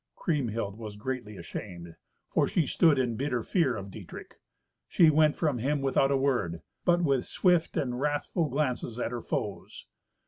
Kriemhild was greatly ashamed, for she stood in bitter fear of Dietrich. She went from him without a word, but with swift and wrathful glances at her foes.